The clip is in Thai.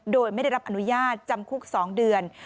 โดยไม่ได้รับอนุญาตจำคุก๒เดือน